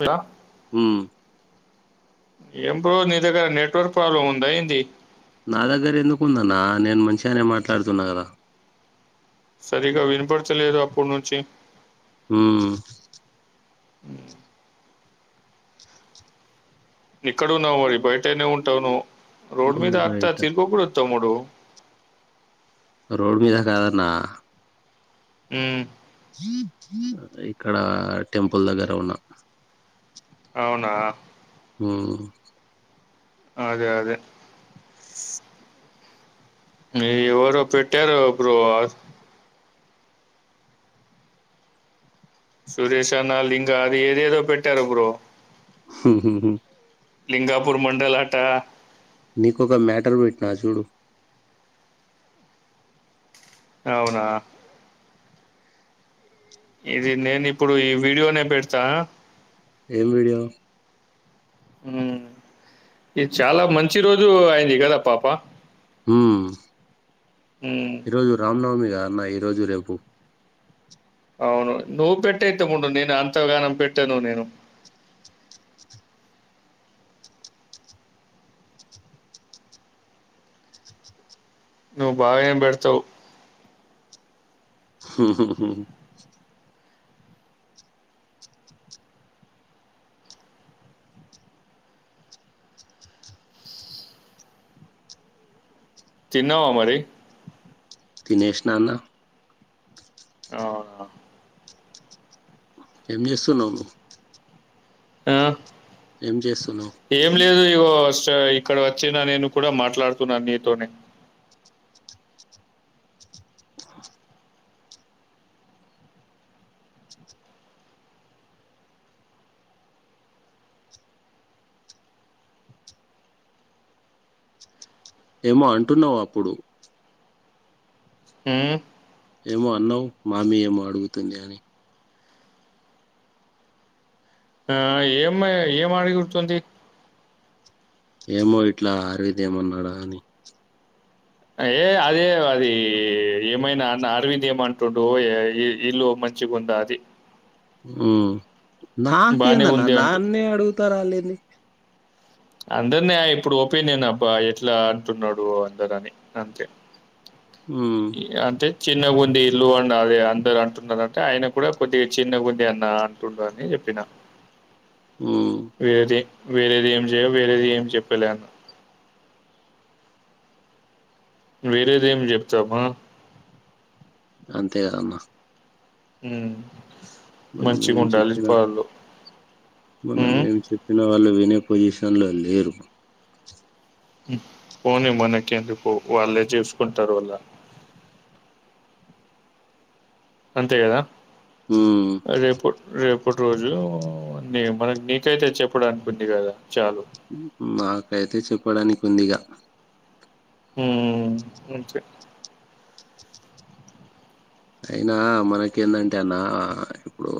Hello um ఏం bro నీ దగ్గర నెట్వర్క్ ప్రాబ్లం ఉందా ఏంది నా దగ్గర ఎందుకుందన్నా నేను మంచిగానే మాట్లాడుతున్నా కదా సరిగ్గా వినిపడతలేదు అప్పటి నుంచి మ్మ్ మ్మ్ ఇక్కడ ఉన్నావు మరి బయటనే ఉన్ టావు నువ్ రోడ్ హ్మ్ మీద అత్త బయట తిరగకూడదు తమ్ముడు రోడ్ మీద కాదన్న మ్మ్ అదే ఇక్కడ టెంపుల్ దగ్గర ఉన్నా అవునా మ్మ్ అదే అదే నీ ఎవ్వరో పెట్టారు అప్పుడు సురేష్ అన్న లింగ అది ఏదేదో పెట్టారు బ్రో లింగాపూర్ మండలట నీకొక మ్యాటర్ పెట్టినా చూడు అవునా ఇది నేను ఇప్పుడు ఈ వీడియోనే పెడతా ఏం వీడియో ఊ ఇది చాలా మంచి రోజు అయింది కదా పాప ఊ ఉమ్. ఈరోజు రామ్నవమి కదా అన్న రోజు రేపు అవును నువ్వు పెట్టయితే ముందు నేను అంతగానం పెట్టాను నేను నువ్వు బాగెం పెడ్తావ్ తిన్నావా మరి తినేషిన అన్న అవున ఏం చేస్తున్నావ్ ఆ చేస్తున్నావు ఏం లేదు ఇగో ఇక్కడ వచ్చిన నేను కూడా మాట్లాడుతున్నాను నీతోటె ఏమో అంటున్నావు అప్పుడు ఊ ఏమో అన్నవు మామి ఏమో అడుగుతుంది అని ఆ ఏం ఏం ఆడిడుతుంది ఏమో ఇట్లా ఆర్విద్ ఏమన్నాడా అని ఏ అదే అది ఏమైనా అన్న అరవింద్ ఏమంటుడు ఇల్లు మంచిగుంద అది బానే నాకేందన్నా ఉంది అంటు నన్నే అడుగుతారా అ లేిని అందరినే ఇప్పుడు ఒపీనియన్ అబ ఎట్లా అంటున్నాడు అందరు అని అంతే హ్మ్ అంటే చిన్నగుంది ఇల్లు అన్న అది అందరు అంటున్నారుారంటే ఆయన కూడా కొద్దిగా చిన్నగుంది అన్న అంటుండ అని చెప్పిన హ్మ్ వేదిే వేరేది ఏం చెయ వేరేది ఏం చెప్పలే అన్న వేరేది ఏం చెప్తామా అంతే కదమ్మా హ మనం మంచిగా ఏం ఉండాలి చెప్పినా పలు మనం ఏం చెప్పినా వాళ్ళు వినే పొజిషన్ లోరు పోని మనక ఎందుకు వాళ్ళే చేసుకుంటారు అళ్ళ అంత కదా హ్మ్. రేపు రేపు ఇప్పటి రోజు నీ మనకు నీకైతే చెప్పడానుకుంది కదా చాలు నాకైతే చెప్పడానికి ఉంది ఇగా హంచిే అయినా మనక ఏందంటే అన్న ఇప్పుడు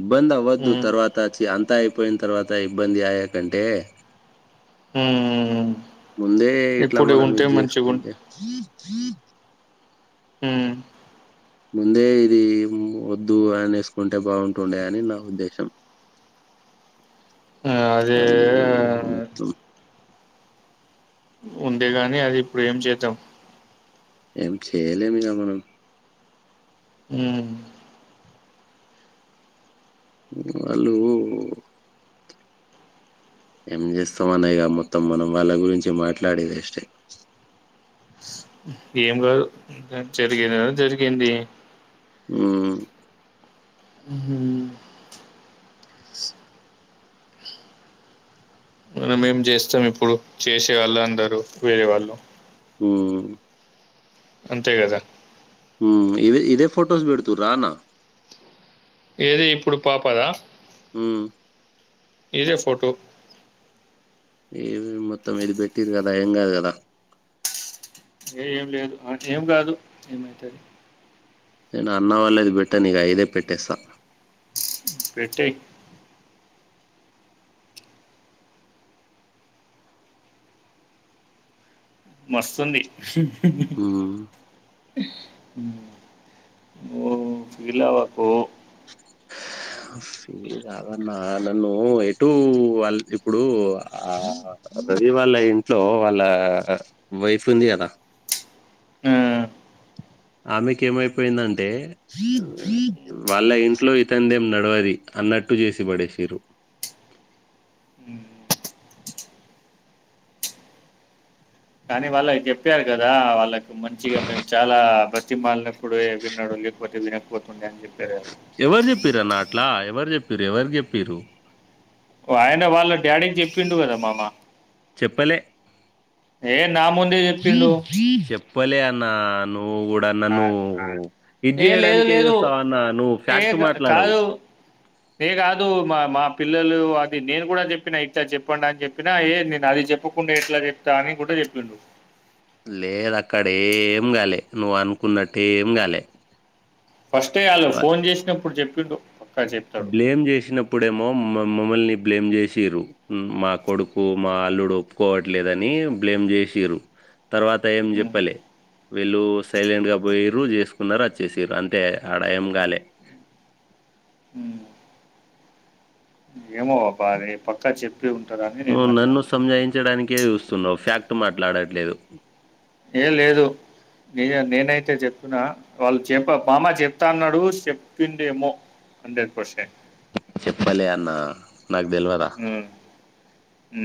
ఇబ్బంది అవద్దు మ్మ్ తర్వాతచ్చ అంతా పోయిన తర్వాత ఇబ్బంది ఆయాకంటే హ ముందే ఇట్లా మనం ఇది చేసుకుంటే హ ముందే ఇది వద్దు అనే వేసుకుంటే బాగుంటుండే అని నా ఉద్దేశం ఆ అదే అలు మొత్తం ఉండే గాని అది ఇప్పుడు ఏం చేద్దాం ఏం చేయలేమి గ మనం హ అలుఊ ఏం చేస్తాం అన్నా ఇక మొత్తం మనం వాళ్ళ గురించి మాట్లాడేదిే ఏం కాదు జరిగిందిదా జరిగింది ఆ హ మన మేం చేస్తాం ఇప్పుడు చేసే వాళ్ళు అందరూ వేరే వాళ్ళు ఆ అంతే కదా హ ఇదే ఇదే ఫోటోస్ బెడుతుర్రా అన్న ఏది ఇప్పుడు పాపదా హ ఇదే ఫోటో ఏ మొత్తం ఇది పెట్టరీ ఏం గాదుగా ఏ ఏం లేదు ఏం కాదు నేను అన్న వాళ్ళేది పేట్టా నీగ యిదే పెట్టేస్త పెట్టేయ్ మస్తుంది హ్మ్మ్ ఫీలావాకు కాదన్న నన్ను ఎటు వాళ్ళ ఇప్పుడు ఆ రది వాళ్ళ ఇంట్లో వాళ్ళ వైఫ్ ఉంది కదా ఆ ఆమెకి ఏమైపోయిందంటే వాళ్ళ ఇంట్లో ఇతందేం నడవది అన్నట్టు చేసి పడేసిరు కానీ వాళ్ళు చెప్పారు కదా వాళ్ళకి మంచిగా మేము చాలా బతిమాలినప్పుడ విన్నాడు లే ఒకటి ఎకుతుంది అని చెప్ప ఎవరు చెప్పిందరన్న అట్లా ఎవరు చెప్పిరు ఎవరి కి చెప్పిండ్రు ఆయన వాళ్ళ డాడీని చెప్పిండు కదా మమ చెప్పలే ఏ నా ముందే చెప్పిండు పలే అన్న ను నువు కూడా ఆ! నన్ను ఇది ఏ లేదు చేయడానికే లేదు. చూస్తావు అన్నా నువ్వు ఏ ఫ్యాక్ట్ కా మాట్లాడవు కాదు. ఏ కాదు మా మా పిల్లలు అది నేను కూడా చెప్పిన ఇట్లా చెప్పండి అని చెప్పినా ఏ నేను అది చెప్పకుండా ఎట్లా చెప్తా అని కూడా చెప్పి్ లేదు అక్కడ ఏం గాలే నువ్వు అనుకున్నట్ే ఏం గాలే ఫస్టే వాళ్ళు ఫోన్ చేసినప్పుడు చెప్పిండు పక్కా చెప్తాడు. బ్లేమ్ చేసినప్పుడేమో మమ్మ మమ్మల్ని బ్లేమ్ చేసిరు మా కొడుకు మా అల్లుడు ఒప్పుకోవట్లేదని బ్లేమ్ చేసిరు తర్వాత ఏం హ్మ్. చెప్పలే వీళ్ళు సైలెంట్ గా పోయ్ర జే తీసుకున్నారు వచ్చేసీన్లు అక్కడ అంటే ఆడ ఏం గాలే ఉ ఏమో అబ్బరే పక్క చె నువ్వు నన్ను సంజాయించడానికే చూస్తున్నావు ఫ్యాక్ట్ మాట్లాడట్లేదు ఉ ఏం లేదు న నేనైతే చెప్పిన వాళ్ళు చెప్ప బామ చెప్తా అన్నాడు చెపిండమో హండ్రెడ్ పర్సెంట్ చెప్పలి అన్నా ఉ ఉ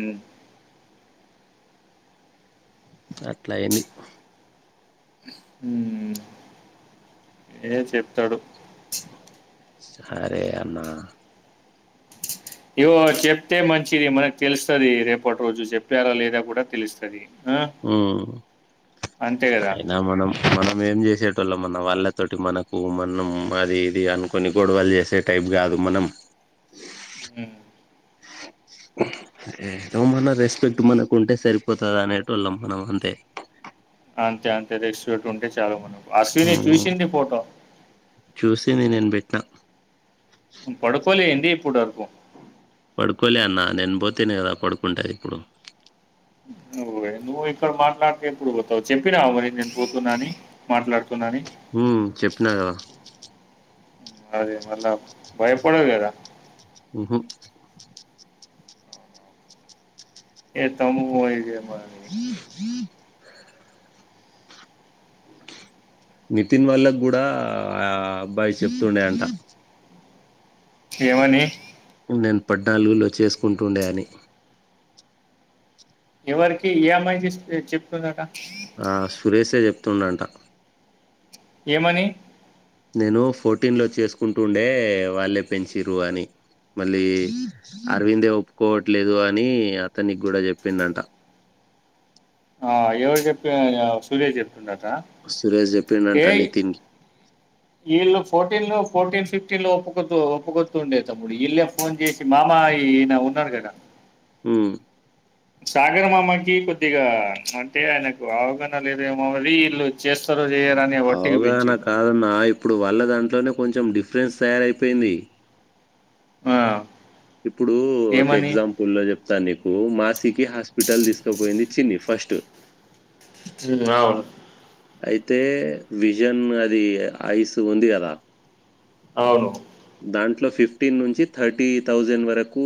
అట్లా అయ్యింది ఉ ఉ ఏ చెప్తడు సారే అన్న ఇవో చెప్తే మంచిది మనకు తెలుస్తది రేపటి రోజు చెప్పారా లేదా కూడా తెలుస్తది ఆ! ఊ అంతే గదా! అయినా మనం మనం ఏం చేసే తల్లా మన వాళ్ళతోటి మనకు మనం అది ఇది అనుకొని గొడవలు చేసే టైప్ కాదు మనం ఊ హు ఏదో మన రెస్పెక్ట్ మనకు ఉంటే సరిపోతది అనేటోళ్ళం మనం అంతే అంతే అంతే రెస్పెక్ట్ ఉంటే చాలు మనకు అశ్విని ఉమ్, చూసింది ఫోటో ఇది నేను పెట్ట పడుకోలేన్ ఇప్పుడు ఆర్కు పడుకోలే అన్నా నేను పోతేనే కదా పడుకుంటాది ఇప్పుడు నువ్వు ఏమో ఇక్కడ మాట్లాడితే ఎప్పుడు పోతావు చెప్పినావు మరి నేను పోతున్నాని మాట్లాడుత మ్ చెప్పిన కద అదే మళ్ళా భయపడదు కద మ్ హు ఏ తమ్యి పోయగ మర [unintelligible] నితిన్ వాళ్ళకి కూడా ఆ అబ్బాయి చెప్తుండే అంట ఏమని నేను పడ్నాలుగునీ చేసుకుంటుండే అని ఎవరికి ఈ అమ్మాయి చుస్ చేపుతుందుంట ఆ సురేషే చెప్తుండంట ఏమని నేను ఫోర్టీన్లో చేసుకుంటుండే వాళ్ళే పెంచ్రు అని మళ్ళీ అరవిందే ఒప్పుకోవట్లేదు అని అతనికి కూడా చెప్పిందంట ఆ ఎవరి చెప్పిన అని ఆ సురేష్ చెప్పిన ఉండదా సురేష్ చెప్పిండంట ఏయే నితిన్ కి విళ్ళ ఫోర్టీన్ లో ఫోర్టీన్ ఫ ఫిఫ్టీ లో ఒక్కపొద్దు ఒక్కపొద్దుండే తమ్ముడు ఈళ్ళే ఫోన్ చేసి మామా ఈన ఉన్నాడు గదా ఊ సగర మామకి కొద్దిగా అంటే ఆయనకు అవగాహన లేదు ఏమో [inaudible] ఈళ్ళు చేస్తారో చెయ్యరో అని వట్టికి పెంచంచిడు అప్పుడు వల్ల దాంట్లోనే కొంచెం డిఫరెన్స్ తయారైపోయింది ఆ ఇప్పుడు ఒక ఏమని ఎగ్జాంపుల్ లో చెప్తాను నీకు మాసి తికి హాస్పిటల్ తీసుకుపోయింది చిన్ని ఫస్టు అవును అయితే విజన్ అది ఐస్ ఉంది కదా అవును దాంట్లో ఫిఫ్టీన్ నుంచి థర్టీ థౌజండ్ వరకు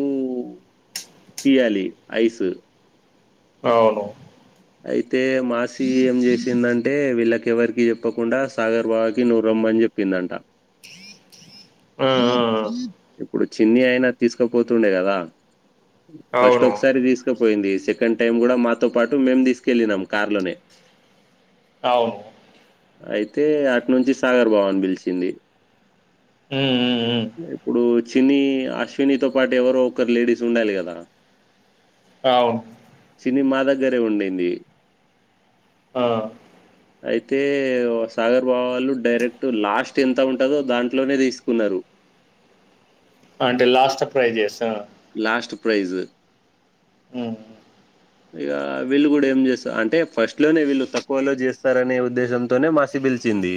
తీయాలి ఐస్ అవును అయితే మాసి ఏం చేసిందంటే వీళ్ళకి ఎవరికి చెప్పకుండా సాగర్ బావకి నువ్ రమ్మని చెప్పిందంట జ ఇప్పుడు చిన్ని అయినా తీసుకుపోతుండే కదా ఫస్ట్ అవును ఒకసారి తీసుకపోయింది సెకండ్ టైమ్ కూడా మాతో పాటు అటు మేం తీసుకెళ్ళినం కార్ లోనే అవును అయితే అటి నుంచి సాగర్ బాబ అన్ పిలిచింది హ చిన అశ్వినితోో పాటు ఎవరో ఒకరు లేడీస్ ఉండాలి కదా అవును ఇ మా దగరే ఉండైంది ఆ అయితే సాగర్ బాబా వాళ్ళు డైరెక్ట్ లాస్ట్ ఎంత ఉంటందో దాంట్లోనే తీసుకున్నారు అంటే లాస్ట్ ప్రైజెస్ లాస్ట్ ప్రైజ్ హ ఇక వీళ్ళు కూడా ఏం చేస్తారు అంటే ఫస్ట్ లోనే వీళ్ళు తక్కువలో చేస్తారనే ఉద్దేశంతోనే మసి పిలిచింది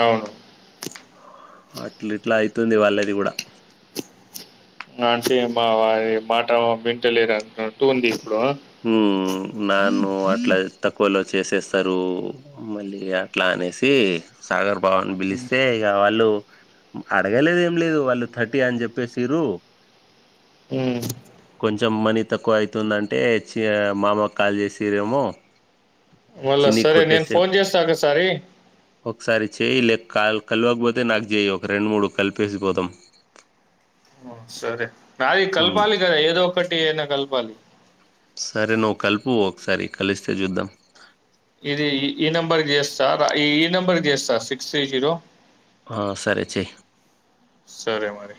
అవును అట్లు ఇట్లా అయితుంది వాళ్ళది కూడా అంటే మా మాట వింటలేరు అంటంటూ ఉంది ఇప్పుడు ఉ నన్ను అట్లా తక్కువలో చేసేస్తారు మళ్ళీ అట్లా అనేసి సాగర్ బావాని ఉమ్ పిలిస్తే ఇక వాళ్ళు అడగలేద ఏం లేదు వాళ్ళు థర్టీ అని చెప్పేసిరు ఉమ్. కొంచెం మనీ తక్కువ అవుతుందంటే అంటే చి మామకు కాల్ చేసిరేమో మళ్ళా చిన్నికి సరే నేను కొట్టేసే ఫోన్ చేస్తా ఒకసారి ఒకసారి చేయి లేక క కలవకపోతే నాకు చేయి ఒక రెండు మూడు కలిపేసి పోతాం సరే నాదిీ కల్పాలి కదా ఏదో ఒకటి ఏనా కల్పాల సరే నువ్వు కలుపు ఒకసారి కలిస్తే చూద్దాం ఇది ఈ ఈ నెంబర్ చేస్త సార్ ఈ ఈ నెంబర్ చేస్త సార్ సిక్స్ తీ జీరో ఆ సరే చెే సరే మరి